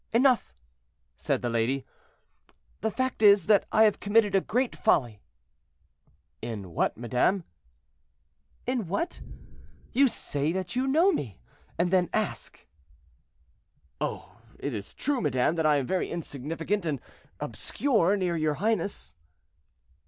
"Enough!" said the lady; "the fact is, that I have committed a great folly." "In what, madame?" "In what? You say that you know me, and then ask." "Oh! it is true, madame, that I am very insignificant and obscure near your highness."